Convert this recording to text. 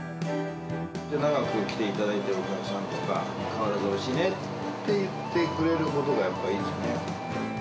長く来ていただいてるお客さんとか、変わらずおいしいねって言ってくれることが、やっぱり、いいです